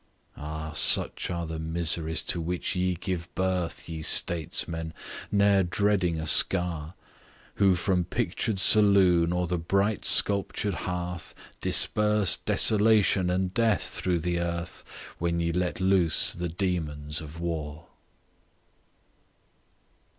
Ah! such are the miseries to which ye give birth, Ye statesmen! ne'er dreading a scar; Who from pictured saloon, or the bright sculptured hearth Disperse desolation and death through the earth, When ye let loose the demons of war.